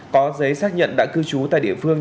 có giấy xác nhận đã cư trú tại địa phương